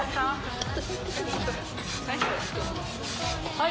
はい。